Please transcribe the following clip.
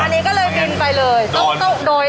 อันนี้ก็เลยบินไปเลย